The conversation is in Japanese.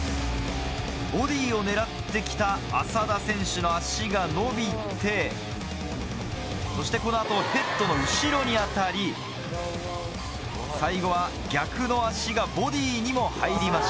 ボディーを狙ってきた浅田選手の足が伸びてそしてこの後ヘッドの後ろに当たり最後は逆の足がボディーにも入りました。